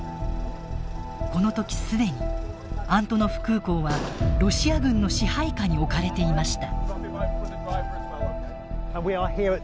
この時既にアントノフ空港はロシア軍の支配下に置かれていました。